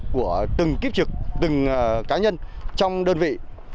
của từng kiếp trực từng cá nhân trong đơn vị